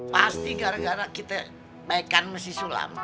pasti gara gara kita baikkan si sulam